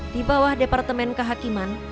di bawah departemen kehakiman